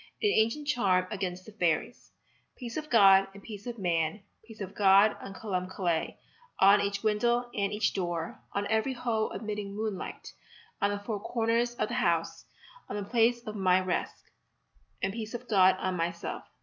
AN ANCIENT CHARM AGAINST THE FAIRIES Peace of God and peace of man, Peace of God on Columb Killey, On each window and each door, On every hole admitting moonlight, On the four corners of the house, On the place of my rest, And peace of God on myself.